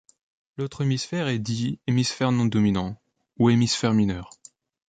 L'autre hémisphère est dit hémisphère non-dominant, ou hémisphère mineur.